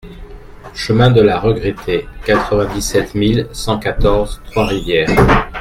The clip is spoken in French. Chemin de la Regrettée, quatre-vingt-dix-sept mille cent quatorze Trois-Rivières